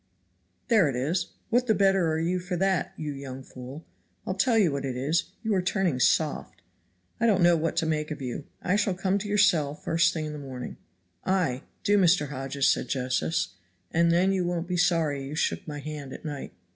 "There it is what the better are you for that, you young fool? I'll tell you what it is, you are turning soft. I don't know what to make of you. I shall come to your cell the first thing in the morning." "Ay, do, Mr. Hodges," said Josephs, "and then you won't be sorry you shook hands at night."